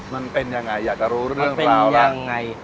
มันเป็นยังไงอยากจะรู้เรื่องราวยังไง